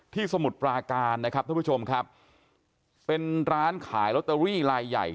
สมุทรปราการนะครับท่านผู้ชมครับเป็นร้านขายลอตเตอรี่ลายใหญ่